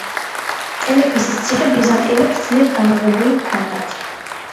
ტელეფისის ციხე ბიზანტიელებს ძლიერ გამაგრებული ჰქონდათ.